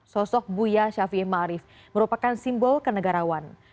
sosok buya syafi ma'arif merupakan simbol kenegarawan